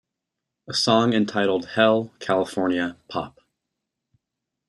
A song entitled Hell, California, Pop.